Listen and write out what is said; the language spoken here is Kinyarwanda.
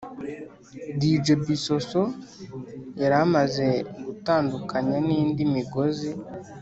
dj bisosso yari amaze gutandukanya n’indi migozi,